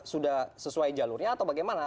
sudah sesuai jalurnya atau bagaimana